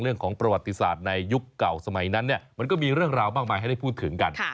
เรื่องของประวัติศาสตร์ในยุคเก่าสมัยนั้นเนี่ยมันก็มีเรื่องราวมากมายให้ได้พูดถึงกัน